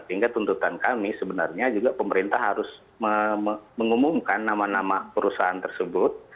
sehingga tuntutan kami sebenarnya juga pemerintah harus mengumumkan nama nama perusahaan tersebut